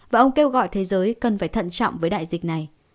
và ông kêu gọi thế giới cần phải thận trọng với đại dịch này